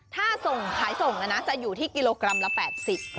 ถ้าส่งขายส่งนะนะจะอยู่ที่กิโลกรัมละ๘๐บาท